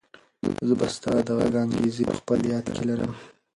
زه به ستا د غږ انګازې په خپل یاد کې لرم.